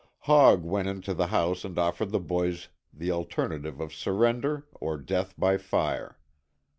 Hogg went into the house and offered the boys the alternative of surrender or death by fire.